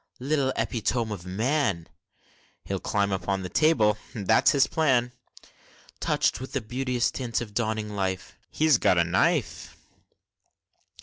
Little epitome of man! (He'll climb upon the table, that's his plan!) Touch'd with the beauteous tints of dawning life (He's got a knife!)